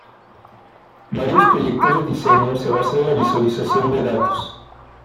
Varios proyectos de diseño se basan en la visualización de datos.